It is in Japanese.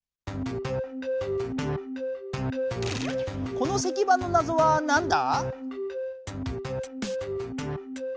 この石版のなぞはなんだ？